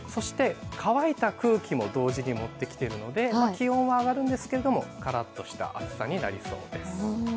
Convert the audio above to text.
乾いた空気も同時に持ってきて、気温は上がるんですけど、カラッとした暑さになりそうです。